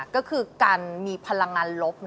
ก็คือการมีพลังงานลบ